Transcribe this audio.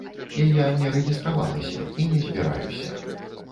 І я не рэгістравалася і не збіраюся.